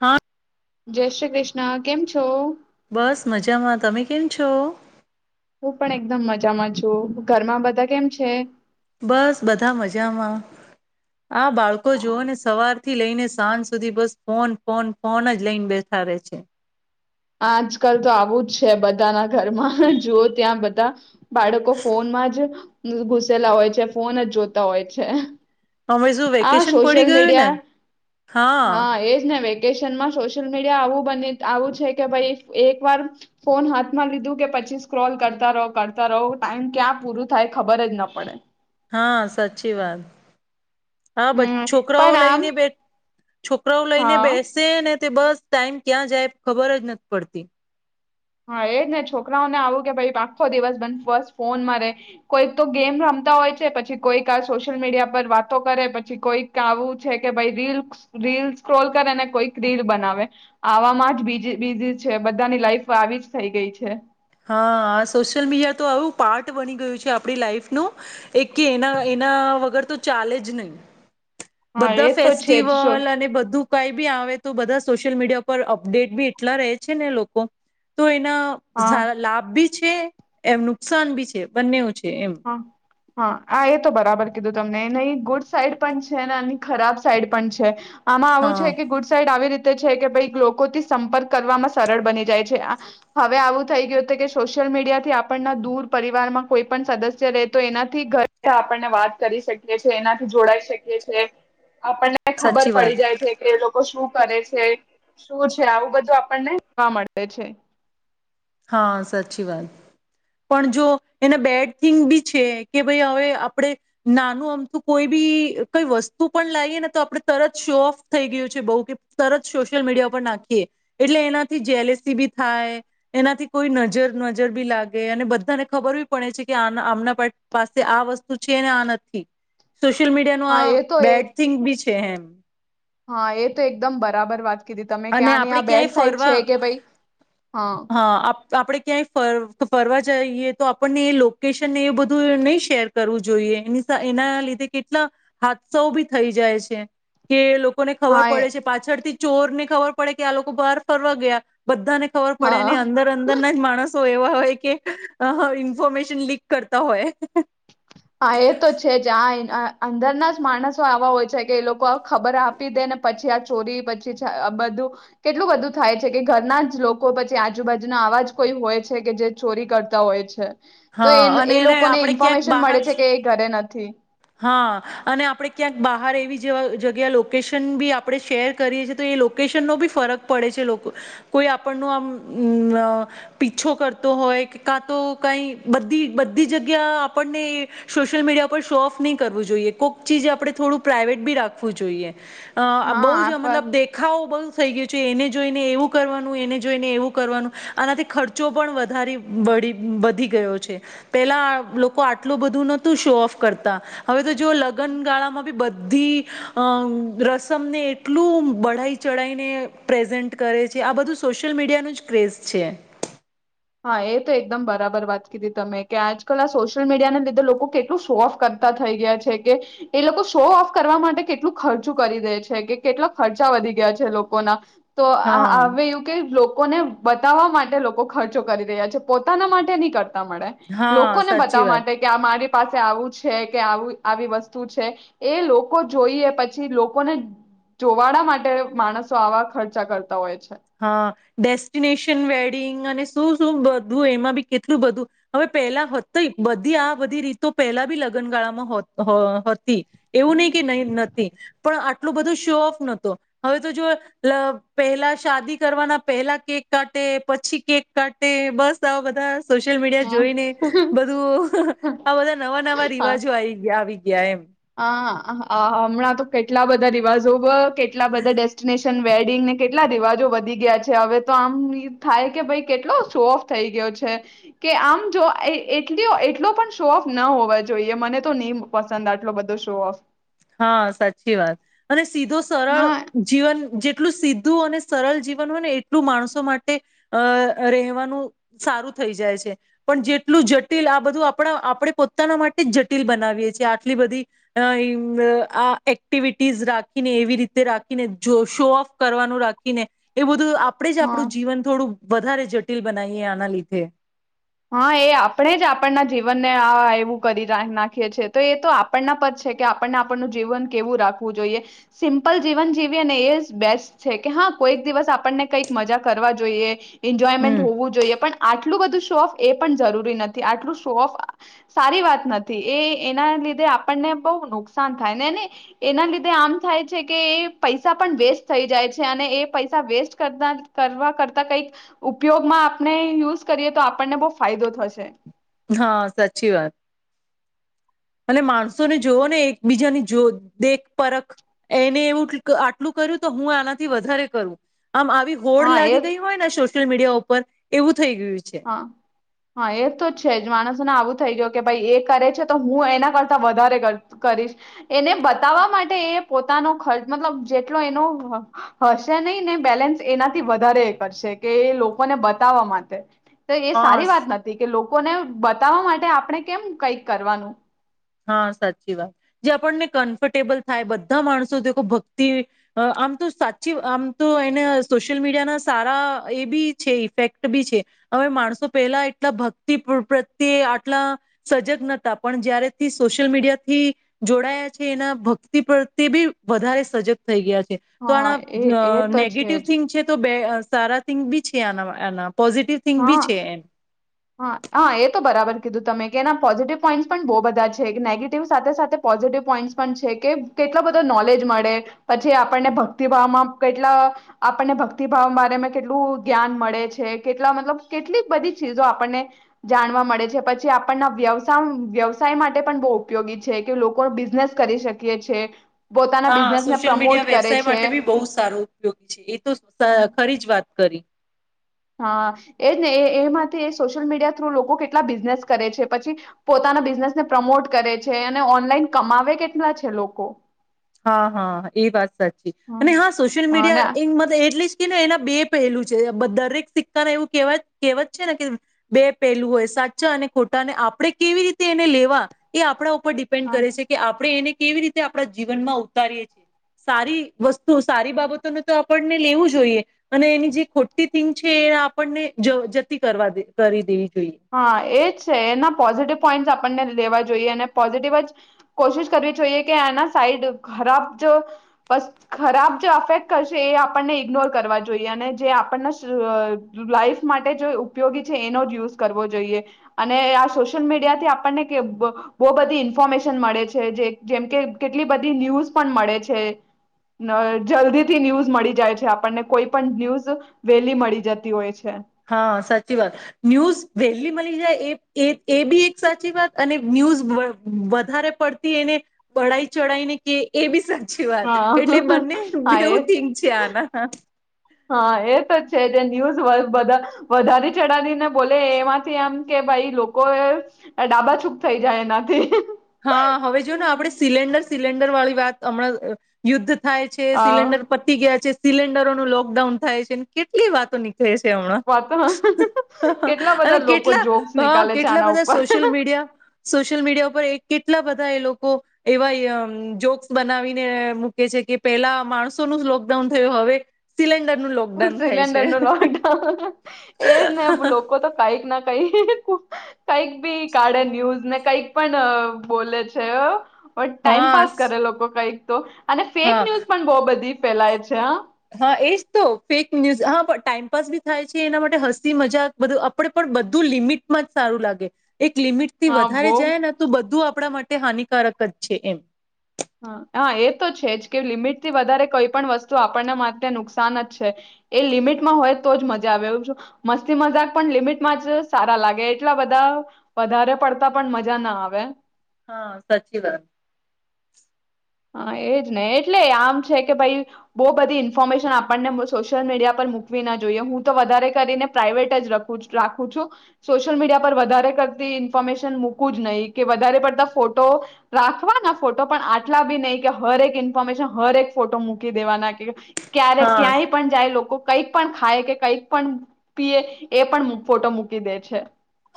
હા જય શ્રી કૃષ્ણ કેમ છો બસ મજામાં તમે કેમ છો હું પણ એકદમ મજામાં છું ઘરમાં બધા કેમ છે બસ બધા મજામાં આ બાળકો જોુઓ હા, ને સવાર થી લઈને સાંજ સુધી બસ ફોન ફોન ફોન જ લઈને બેઠા રહે છે આજકાલ તો આવું જ છે બધાના ઘરમાં જુઓ ત્યાં બધા બાળકો ફોનમાં જ ઘુસેલા હોય છે ફોન જ જોતા હોય છે હવે શું હ વેકેશન પડી સોશિયલ ગયું ને મીડિયા હા એજ ને વેકેશનમાં સ સોસીયલ મીડિયા આવું બને આવું છે કે ભાઈ એક વાર ફોન હાથ માં લીધું કે પછી સ્ક્રોલ કરતા રહો કરતા રહો ટાઈમ ક્યાં પૂરું થાય ખબર જ ના પડે હા સાચી વાત હા હમ છોકરાઓ પણ લઈ આમ ને બેઠ છોકરાઓ લઈને હા બેસે ને બસ ટાઈમ ક્યાં જાય ખબર જ નથી પડતી હા એજ ને છોકરાઓને આવું કે ભાઈ આખો દિવસ બંધ ફ ફોનમાં રે કોઈક તો ગેમ રમતા હોય છે પછી કોઈક આ સોશિયલ મીડિયા પર વાતો કરે પછી કોઈક આવું છે કે રીલ રીલ સ્ક્રોલ કરે ને કોઈક રીલ બનાવે આવામાં બીજી બીજી છે બધાની લાઈફ આવી જ થઈ ગઈ છે હા સોશિયલ મીડિયા તો આવું પાર્ટ બની ગયું છે આપણી લાાઈફનું એક કે એના એના વગર તો ચાલે જ નહીં હા એ બધા તો છે જ શો- ફેસ્ટિવલ અને બધું કઈ બી આવે બધા સોશિયલ મીડિયા પર અપડેટ બી એટલા રહે છે ને લોકો તો ના હા લાભ ભ એમ નુકસાન ભી છે બંને છે. એમ હા હા આ એ તો બરાબર. કીધું તમને નહી ગુડ સાઈડ પણ છે ને એ ખરાબ સાઈડ પણ છે આમાં આવું હા છે કે ગુડ સાાઈડ આવી રીતે કે ભ લોકોથી સંપર્ક કરવામાં સરળ બની જાય છે હવે આવું થઈ ગયું કે સોશિયલ મીડિયા થી આપણના દૂર પરિવારમાં કોઈ પણ સદસ્ય રેતો એનાથી ઘરે આપણને વાત કરી શકીએ છેએ એનાથી જોડાઈ શકીએ છે આપણને ખબર સાચી વાત પડી જાય છે કે લોકો શું કરે છે શું છે આવું બધું આપણને જોવા મળે છે. હા સાચી વાત પણ જો એના બેડ થિંગ બી છે કે ભાઈ હવે આપણે નાનું આમથું કોઈ બી કઈ વસ્તુ પણ લાવએ ને તો આપણે તરત શો ઓફ થઈ ગયું છે બહ કે તરત સોશિયલ મીડિયા પર નાખીએ એટલે એનાથી જેલેસી બી થાય... એનાથી કોઈ નજર નજર બી લાગે અને બધાને ખબર બી પડે છે કે આ આમના પાસે આ વસ્તુ છે ને આ નથી સોશિયલ મીડિયા નો હા આ એ તો એ બેડ થિંગ બી છે. કેમ હા એ તો એકદમ બરાબર વાત કીધી તમે અને ક્યાંની આ આપણે બેડ ક્યાંય સાઈડ છે ફરવા કે ભાઈ હા આપણે ક્યાંય ફર ફરવા જઈએ તો આપણને એ લોકેશનને એ બધું નહી શેર કરવું જોઈએ એનીસા એના લીધે કેટલા હાદસાઓ બી થઈ જાય છે કે લોકો લોકોને હા ખબર એ પડે છે પાછળથી ચોરને ખબર પડે કે આ લોકો બહાર ફરવા ગયા બધાને ખબર પડે હા નહી અંદર અંદરના જ માણસ તો એવા હોય કે અહ ઇન્ફોર્મેશન લીક કરતા હોય. હા એ તો છે જ આ એય ના આ અંદરના જ માણસો આવા હોય છે કે એ લોકો ખબર આપી દે ને પછી આ ચોરી પછી છે આ બધું કેટલું બધું થાય છે કે ઘરના જ લોકો પછી આજુબાજુના આવા જ કોઈ હોય છે કે જે ચોરી કરતા હોય છે. તો હા એન અને એ એને લોકોને આપણે ક્યાંક ઇન્ફોર્મેશન બહાર મળે છે કે ઘરે નથી હા અને આપણે ક્યાંક બહાર એવી જેવા જગ્યા લોકેશન બી આપણે શેર કરીએ છી તો એ લોકેશનનો બી ફરક પડે છે લોકો કોઈ આપણનો આમ અ પીછો કરતો હોય કાં તો કઈ બધી બધી જગ્યા આપણને સોશિયલ મીડિયા શોફ નહી કરવું જોઈએ કોઈક ચીજ આપણે થોડું પ્રઇવેટ બી રાખવું જોઈએ. અ આ હા બહુ જ પર મતલબ દેખાવો બહુ થઈ ગયું છે એને જોઈને એવું કરવાનું એને જોઈને એવું કરવાનું આનાથી ખર્ચો પણ વધારે વદી વધી ગયો છે પેલા લોકો આટલું બધું નહોતું શોફ કરતા હવે તો જો લગન ગાળામાં બી બધ બધી અ રસમને એટલું બઢાઈ ચઢાઈને પ્રેઝન્ટ કરે છે આ બધું સોશિયલ મીડિયાનું જ ક્રેઝ છે. હા એ તો એકદમ બરાબર વાત કીધી તમે કે આજકાલ આ સોશિયલ મીડિયાને લીધે લોકો કેટલું શો ઓફ કરતા થઈ ગયા છે કે એ લોકો શો ઓફ કરવા માટે કેટલું ખર્ચું કરી દે છે કે કેટલા ખર્ચા વધી ગયા છે એ લોકોના તો આ હા આવે એવુ કે લોક કોને બતાવવા માટે લોકો ખ ખર્ચો કરી રહ્યા છે પોતાના માટે નહી કર ન મળે હા લોકોને સાચી બતાવા વાત માટે કે આ મારી પાસે આવું છે કે આવુ આવી વસ્તુ છે એ લોકો જોઈએ પછી લોકોને જોવાડા માટે માણસો આવા ખર્ચા કરતા હોય છે. હા ડેસ્ટિનેશન વેડિંગ અને શું શું બધું એમાં બી કેટલું બધું હવે પહેલા હતી બધી આ બધી રીતો પેલા બી લગ્નગાળામાં હોત હ તી એવું ની કે નહી નથી પણ આટ આટલું બધું શો ઓફ નતો હવે તો જો પહેલા પહેલા શાદી કરવાના પહેલા કેક કાટે પછી કેક કાટે બસ આવા બધા સોશિયલ મીડિયા હમ જોઈને બધું આ બધા નવા નવા હા રિવાજો આવી ગયા આવી ગ્યા એમ હા અહ અ મણાં તો કેટલા બધા રિવાજો કેટલા બધા ડેસ્ટિનેશન વેડિંગને કેટલા રિવાજો વધી ગયા છે હવે તો આમ થાય કે ભાઈ કેટલો શો ઓફ થઈ ગયો છે કે આમ જો એ એટલયો એટલો પણ શો ઓફ ન હોવા જોઈએ મને તો ની પસંદ આવ એટલો બધો શો ઓફ હા સાચી વાત અને સીધો સરળ હા જીવન જેત એટલું સીધું અને સરળ જીવન હોય ને એટલું માણસો માટે અ રહેવાનું સારું થઈ જાય છે પણ જેટલું જટિલ આ બધું આપણા આપણે પોતાના માટે જ જટિલ બનાવીએ છે આટલી બધી અ આ એક્ટિવિટીઝ રાખીને એવી રીતે રાખીને જો શો ઓફ કરવાનું રાખીને એ બધું આપડે જ હા આપણું જીવન થોડું વધારે જટિલ બનાવીએ આના લીધે હા એ આપણે જ આપણના જીવનને આ એવું કરી નાખીએ છેએ તો એ તો આપણના પર છે કે આપણને આપણનું જીવન કેવું રાખવું જોઈએ સિમ્પલ જીવન જીવીએ ને એ જ બેસ્ટ છે કે હા કોઈક દિવસ આપણને કંઈક મજા કરવા જોઈએ. એન્જોયમેન્ટ હમ હોવું જોઈએ પણ આઠ એટલું બધું શો ઓફ એ પણ જરૂરી નથી આટલું શો ઓફ સારી વાત નથી એ એના લીધે આપણને બહુ નુકસાન થાય ને ને એના લીધે આમ થાય છે કે એ પૈસા પણ વેસ્ટ થઈ જાય છે અને એ પૈસા વેસ્ટ કરતા કરવા કરતા કંઈક ઉપયોગમાં આપણે યુઝ કરીએ તો આપણને બહુ ફાયદો થશે. હા સાચી વાત અને માણસોને જોવો ને એકબીજાની જો દેખ પરખ એને એવું આટલું કર્યું તો હું આનાથી વધારે કરું. આમ આવી હોડ હા એ લાગી ગઈ હોયને સોશિયલ મીડિયા ઉપર ઉપ એવું થઈ ગયું છે. હા હા એ તો છે જ માણસોને આવું થઈ ગય કે ભાઈ એ કરે છે તો હું એના કરતા વધારે કરીશ એને બતાવવા માટે એ પોતાનો ખર્ચ મતલબ જેટલો એનો હશે નહી ને બેલેન્સ એનાથી વધારે એ કરશે કે એ લોકોને બતાવવા માટે તો એ હા સારી વાત નથી કે લોકો કોને બતાવવા માટે આપણે કેમ કઈક કરવાનું. હા સાચી વાત જે આપણને કમ્ફર્ટેબલ થાય બધા માણસો દેખો ભક્તિ આમ તો સાચી આમ તો એને સોશિયલ મીડિયાના સારા એ બી છે ઇફેક્ટ બી છે હવે માણસો પહેલા એટલા ભક્તિ પ્રત્યે આટલા સજગ નતા પણ જયારે થી સોશિયલ મીડિયા થી જોડાયા છે એના ભક્તિ પ્ર્યે બી વધારે સજગ થઈ ગયા છે. તો હા એ એ આ તો છે નેગેટિવ જ થિંગ [unintelligible] તો બે સારા થીંક બી છે એના એના પોઝિટિવ થિંગ બી હા છે એમ હા હા એ તો બરાબર કીધું તમે કે એના પોઝિટિવ પોઈન્ટસ પણ બહુ બધા છે નેગેટિવ સાથે સાથે પોઝિટિવ પોઈન્ટસ પણ છે કે કેટલો બધા નોલેજ મળે પછી આપણને ભક્તિભાવમાં કેટલા આપણને ભક્તિભાવ બમાં કેટલું જ્ઞાન મળે છે કેટલા મતલબ કેટલી બધી ચીજો આપણને જાણવા મળે છે પછી આપણના વ્યવસ વ્યવસાય માટે પણ બહુ ઉપયોગી છે કે લોકો બિઝનેસ કરી શકીએ છે. પોતાના હા બિઝનેસને સોશિયલ પ્રમોટ મીડિયા કરે વ્યવસાય છે. માટે બી બહુ જ સારું ઉપયોગી છે એ તો હમ. ખરી જ વાત કરી. હા એજ ને એ એમાંથી સોશિયલ મીડિયા થ્રુ લોકો કેટલા બિઝનેસ કરે છે પછી પોતાના બિઝનેસ ને પ્રમોટ કરે છે અને ઓનલાઈન કમાવે કેટલા છે લોકો હા હા એ વાત સાચી અને હા સોશિયલ હ અને મીડિયા એ મત એટલી જ કે એના બે પહેલું છે દરેક સિક્કા ના એવું કેવા કહેવાત છે ને કે બે પહેલું હોય સાચા અને ખોટા અને આપણે કેવી રીતે એને લેવા એ આપણા ઉપ પર ડિપેન્ડ હા કરે છે કે આપણે એને કેવી રીતે આપડા જીવનમાં ઉતારીએ છીએ સારી વસ્તુ સારી બાબતોને તો આપણને લેવું જોઈએ અને એની જે ખોટી થિંગ છે એ આપણને જવ જતી કરવા કરી દે હા એજ છે એના પોઝિટિવ પોઈન્ટ આપણને લેવા જોઈએ અને પોઝિટિવ જ કોશિશ કરવી જોઈએ કે આના સાઈડ ખરાબ જ ખરાબ જે અફેક્ટ કરશે એ આપણને ઇગ્નોર કરવા જોઈએ અને જે આપણને લાાઈફ માટે જે ઉપયોગી છે એનો જ યુઝ કરવ જોઈએ અને આ સોશિલ મીડિયા થી આપણને બહુ બધી ઇન્ફોર્મેશન મળે છે જે જેમ કે કેટલી બધી ન્યૂઝ પણ મળે છે નં જલ્દીથી ન્યૂઝ મળી જાય છે આપણને કોઈ પણ ન્યૂઝ વેલી મળી જતી હોય છે હા સાચી વાત ન્યુઝ વહેલી મળી જાય એ એ એ બી એક સાચી વાત અને ન્યૂઝ વ વધારે પડતી એને બડાાઈ ચઢાઈને કે એ બી સાચી વાત એટલે હા બને હા બેવું એ થિક છે આના હા એ તો છે ન્યૂઝ વધા વધારે ચઢીને બોલે એમાંથી એમ કે ભાઈ લોકો ડાબા છૂક થઈ જાય એનાથી હા હવે જો ને આપણે સિલેન્ડર સિલેન્ડર વાળી વાત હમણાં યુદ્ધ થાયે છે, આ સિલિન્ડર પતી ગયા છે. સિલિન્ડરોનું લોકડાઉન થાય છે, કેટલી વાતો નીક છે હમણાં વાત કેટલા અને બધા લોકો કેટલા જોક્સ હ નીકાલે છે કેટલા આના બધા ઉપર સોશિયલ મીડિયા સોશિયલ મીડિયા ઉપર એક બધા એ લોકો એવા જોક્સ બનાવીને મૂકે છે કે પેલા માણસોનું જ લોકડાઉન થયું હવે સિલેડર સિલિન્ડર નું લોકડાઉન. એજ ને લોકો તો કઈક ના કઈ કઈક બી કાળે ન્યૂઝ ને કઈક પણ બોલે છે. બ હા ટાઈમપસ કરે લોકો કઈ તો. અને ફેક હા ન્યુઝ પણ બહુ બધી ફેલાય છે. હા. એજ તો ફેક ન્યૂઝ હા પણ ટાઈમપાસ બી થાય છે, એના માટે હસી મજાક બધું આપણે પણ બધું લિમિટમાં જ સારું લાગે. એક લિમિટ થી હા વધારે બહુ જાય ને તો બધું આપણા માટે હાનિકારક જ છે એમ. હ. હા. એ તો છે જ કે, લિમિટ થી વધારે કોઈ પણ વસ્તુ આપણને માટે નુકસાન જ છે, એ લિમિટમાં હોય તો જ મજા આવે એ મસ્તી મજાક પણ લિમિટમાં જ સારા લાગે એટલા બધા વધારે પડતા પણ મજા ના આવે. હા. સાચી વાત. હા એ જ ને. એટલે આમ છે કે ભાઈ બહુ બધી ઇન્ફોર્મેશન આપણને સોશિયલ મીડિયા પર મૂકવી ના જોઈએ, હું તો વધારે કરીને પ્રાઇવેટ જ રાખું છું. સોશિયલ મીડિયા પર વધારે કરતી ઇન્ફોર્મેશન મૂકું જ નહી, કે વધારે પડતા ફોટો રાખવાના ફોટો પણ આટલા બી નહી, કે હરેક ઇન્ફોર્મેશન હરેક ફોટો મૂકી દેવા ના કે ક્યારે હા ક્યાંય પણ જાય લોકો કંઈક પણ ખાય કે કંઈક પણ પીએ એ પણ ફોટો મૂકી દે છે.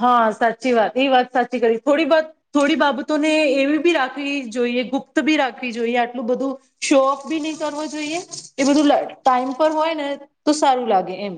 હા. સાચી વાત. એ વાત સાચી કરી થોડી વાત થોડી બાબતોને એવી બી રાખવી જોઈએ, ગુપ્ત બી રાખવી જોઈએ, આટલું બધું શો ઓફ બી નહી કરવું જોઈએ, એ બધું ટાઈમ પર હોય ને તો સારું લાગે એમ.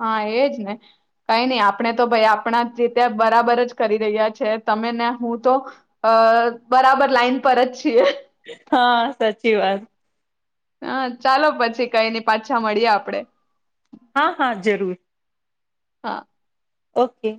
હા. એજ ને. કઈ નઈ આપણે તો ભાઈ આપણા રીતે બરાબર જ કરી રહ્યા છે તમે ને હું તો અ બરાબર લાઈન પર જ છીએ. હા. સાચી વાત. હા. ચાલો પછી કઈ નઈ પાછા મળીએ આપડે. હા. હા. જરૂર. હા. ઓકે.